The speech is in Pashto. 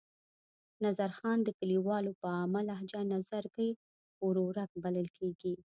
نظرخان د کلیوالو په عامه لهجه نظرګي ورورک بلل کېږي.